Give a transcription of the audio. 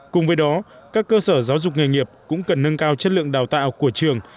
cùng với đó các cơ sở giáo dục nghề nghiệp cũng cần nâng cao chất lượng đào tạo của trường